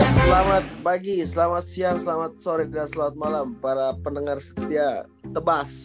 selamat pagi selamat siang selamat sore dan selamat malam para pendengar setia tebas